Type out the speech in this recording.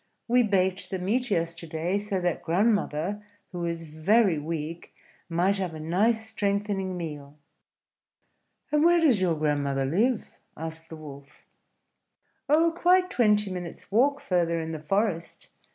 "We baked the meat yesterday, so that grandmother, who is very weak, might have a nice strengthening meal." "And where does your grandmother live?" asked the Wolf. "Oh, quite twenty minutes' walk further in the forest.